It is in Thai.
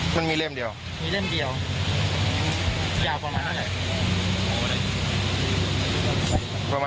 คือเล่นเล่นเดียวกันครับ